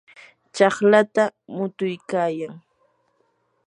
chaqlata mutuykayan.